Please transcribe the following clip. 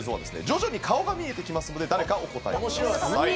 徐々に顔が見えてきますので誰かをお答えください。